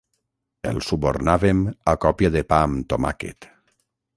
El subornàvem a còpia de pa amb tomàquet.